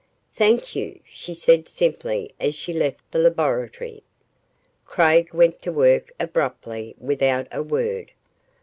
"Thank you," she said simply as she left the laboratory. Craig went to work abruptly without a word.